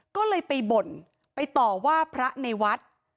ก็เลยไปบ่นไปต่อว่าพระในวัด